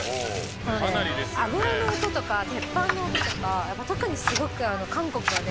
油の音とか鉄板の音とか特にすごく韓国はね